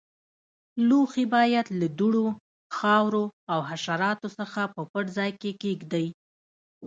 لوښي باید له دوړو، خاورو او حشراتو څخه په پټ ځای کې کېږدئ.